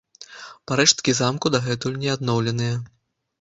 Парэшткі замку дагэтуль не адноўленыя.